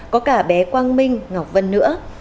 có cả bé quang minh ngọc vân nữa